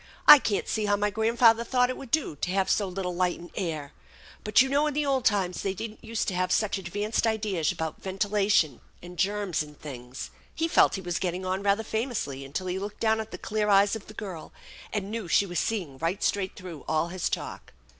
I can't see how my grandfather thought it would do to have so little light and air. But you know in the old times they didn't use to have such advanced ideas about ventilation and germs and things " He felt he was getting on rather famously until he looked down at the clear eyes of the girl, and knew she was seeing right 98 THE ENCHANTED BARN straight through all his talk.